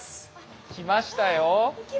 来ましたよ。